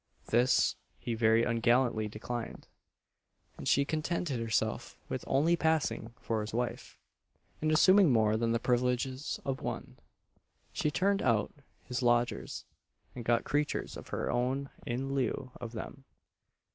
This he very ungallantly declined; and she contented herself with only passing for his wife, and assuming more than the privileges of one. She turned out his lodgers, and got creatures of her own in lieu of them.